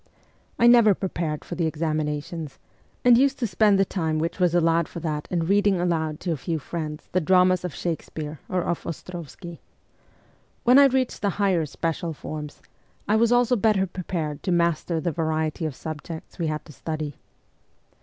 I never prepared for the examinations, and used to spend the time which was allowed for that in reading aloud to a few friends the dramas of Shake speare or of Ostrovskiy. When I reached the higher ' special ' forms, I was also better prepared to master the variety of subjects we had to study.